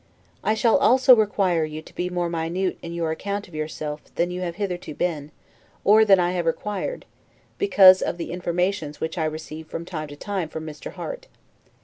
I shall also require you to be more minute in your account of yourself than you have hitherto been, or than I have required, because of the informations which I receive from time to time from Mr. Harte.